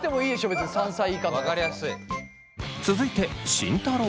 別に３歳以下だとかさ。続いて慎太郎。